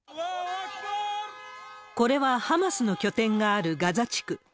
これは、ハマスの拠点があるガザ地区。